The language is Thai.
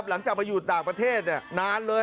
หลังจากมาอยู่ต่างประเทศนานเลย